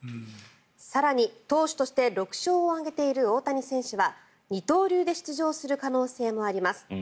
更に、投手として６勝を挙げている大谷選手は二刀流で出場する可能性もあります。